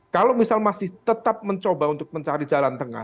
kalau misal masih tetap mencoba untuk mencari jalan tengah